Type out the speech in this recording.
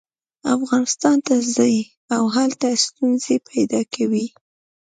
افغانستان ته ځي او هلته ستونزې پیدا کوي.